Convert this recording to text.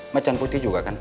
macan putih juga kan